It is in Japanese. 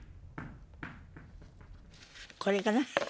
これかな。